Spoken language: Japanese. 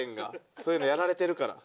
そういうのやられてるから。